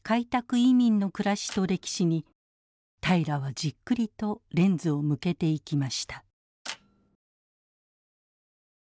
移民の暮らしと歴史に平良はじっくりとレンズを向けていきました。